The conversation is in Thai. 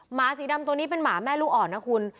หมาสีดำตัวนี้เป็นหมาแม่ลูกอ่อนนะคุณ